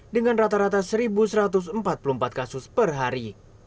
dengan rata rata satu satu ratus empat puluh empat kasus per hari